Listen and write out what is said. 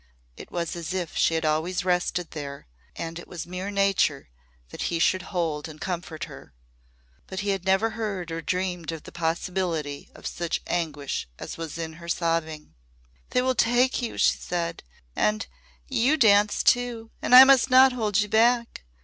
It was as if she had always rested there and it was mere Nature that he should hold and comfort her. But he had never heard or dreamed of the possibility of such anguish as was in her sobbing. "They will take you!" she said. "And you danced too. And I must not hold you back!